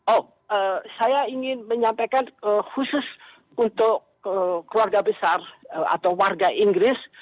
oh saya ingin menyampaikan khusus untuk keluarga besar atau warga inggris